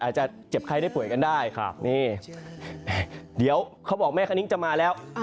อาจจะเจ็บไข้ได้ป่วยกันได้นี่เดี๋ยวเขาบอกแม่คณิ้งจะมาแล้ว